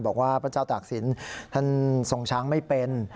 บอกว่าพระเจ้าตากสินท่านทรงช้างไม่เป็น